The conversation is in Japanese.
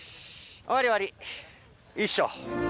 終わり終わりいいっしょ。